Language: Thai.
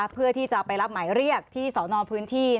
เพื่อที่จะไปรับหมายเรียกที่สนพื้นที่